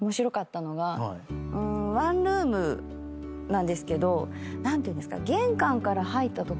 ワンルームなんですけど何ていうんですか？